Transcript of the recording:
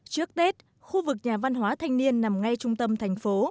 trước tết khu vực nhà văn hóa thanh niên nằm ngay trung tâm thành phố